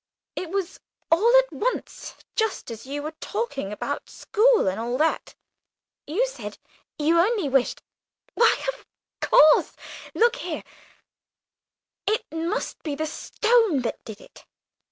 "It was all at once, just as you were talking about school and all that. You said you only wished Why of course; look here, it must be the stone that did it!"